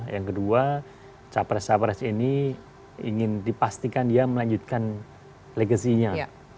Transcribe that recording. yang kedua capres capres ini ingin dipastikan dia melanjutkan legasinya